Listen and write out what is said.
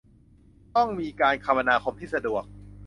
ต้องมีการคมนาคมที่สะดวก